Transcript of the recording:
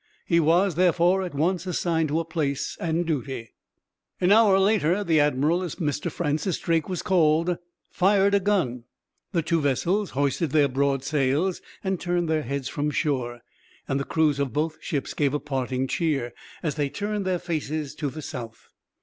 He was, therefore, at once assigned to a place and duty. An hour later the admiral, as Mr. Francis Drake was called, fired a gun, the two vessels hoisted their broad sails and turned their heads from shore, and the crews of both ships gave a parting cheer, as they turned their faces to the south.